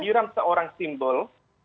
kehadiran seorang simbol